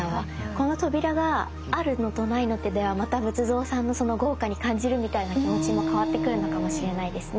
この扉があるのとないのとではまた仏像さんの豪華に感じるみたいな気持ちも変わってくるのかもしれないですね。